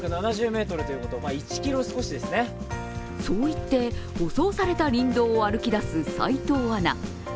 そういって舗装された林道を歩きだす齋藤アナ。